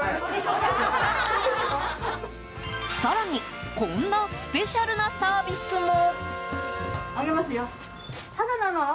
更にこんなスペシャルなサービスも。